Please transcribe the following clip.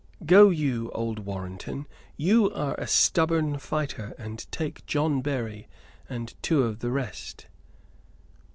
Go you, old Warrenton, you are a stubborn fighter; and take John Berry and two of the rest."